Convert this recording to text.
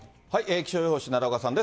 気象予報士、奈良岡さんです。